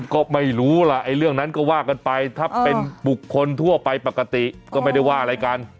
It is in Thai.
ก็ไม่รู้ล่ะไอ้เรื่องนั้นก็ว่ากันไปถ้าเป็นบุคคลทั่วไปปกติก็ไม่ได้ว่าอะไรกัน